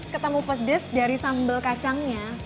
ketemu pedes dari sambal kacangnya